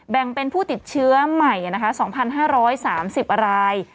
แบ่งเป็นผู้ติดเชื้อใหม่นะคะสองพันห้าร้อยสามสิบราย